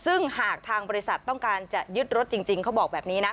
ซึ่งหากทางบริษัทต้องการจะยึดรถจริงเขาบอกแบบนี้นะ